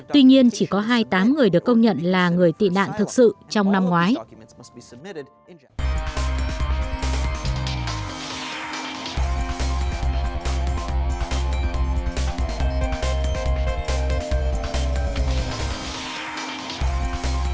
tuy nhiên chỉ có hai mươi tám người được công nhận là người tị nạn thực sự trong năm ngoái